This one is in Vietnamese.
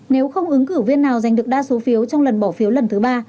nếu không ứng cử viên nào giành được đa số phiếu trong lần bỏ phiếu lần thứ ba